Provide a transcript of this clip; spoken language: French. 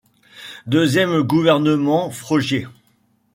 Deuxième gouvernement Frogier.